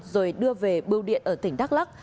rồi đưa về bưu điện ở tỉnh đắk lóc